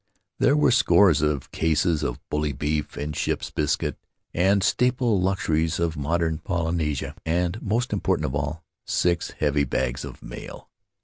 There were scores of cases of bully beef and ship's biscuit — the staple luxuries of modern Polynesia, and, most important of all, six heavy bags of mail.